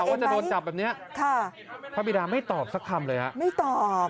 ค้นรึเปล่าว่าจะโดนจับแบบนี้พระบิดาไม่ตอบสักคำเลยนะครับไม่ตอบ